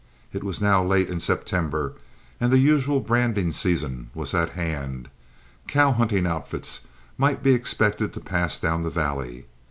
It was now late in September, and as the usual branding season was at hand, cow hunting outfits might be expected to pass down the valley.